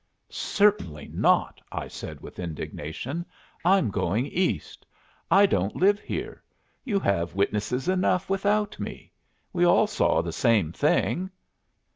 "Certainly not!" I said, with indignation. "I'm going East. I don't live here. You have witnesses enough without me. We all saw the same thing."